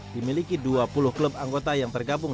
dimiliki dua puluh klub anggota yang tergabung